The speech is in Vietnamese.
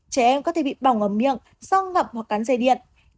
trẻ em có thể bị bỏng ở miệng do ngập hoặc cắn dây điện